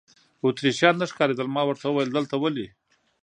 اتریشیان نه ښکارېدل، ما ورته وویل: دلته ولې.